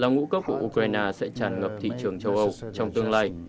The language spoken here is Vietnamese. ngũ cốc của ukraine sẽ tràn ngập thị trường châu âu trong tương lai